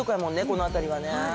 この辺りはね。